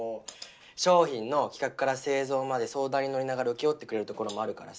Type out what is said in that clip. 商品の企画から製造まで相談に乗りながら請け負ってくれる所もあるからさ